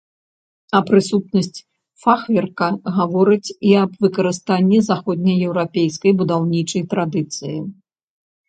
А прысутнасць фахверка гаворыць і аб выкарыстанні заходнееўрапейскай будаўнічай традыцыі.